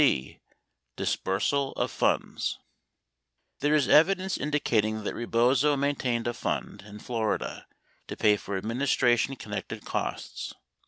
C. Disbursal or Funds There is evidence indicating that Rebozo maintained a fund in Florida to pay for administration connected costs.